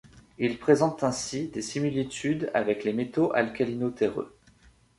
Ils présentent ainsi des similitudes avec les métaux alcalino-terreux.